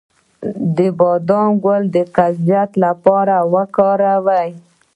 د بادام ګل د قبضیت لپاره وکاروئ